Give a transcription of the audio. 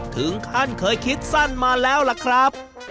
ถึงขั้นเคยคิดสั้นมาแล้วล่ะครับ